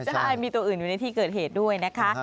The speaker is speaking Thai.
ใช่มีตัวอื่นอยู่ในที่เกิดเหตุด้วยนะคะ